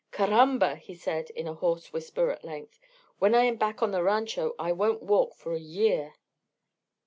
"Caramba!" he said, in a hoarse whisper at length. "When I am back on the rancho I won't walk for a year."